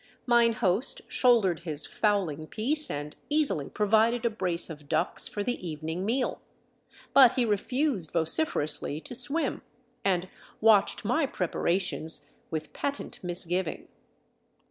Mine host shouldered his fowl ing piece and easily provided a brace of ducks for the evening meal; but he refused vociferously to swim, and watched my preparations with patent misgiving.